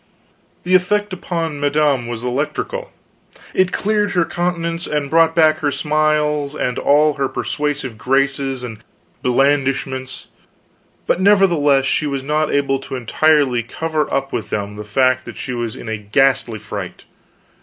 The effect upon madame was electrical. It cleared her countenance and brought back her smiles and all her persuasive graces and blandishments; but nevertheless she was not able to entirely cover up with them the fact that she was in a ghastly fright.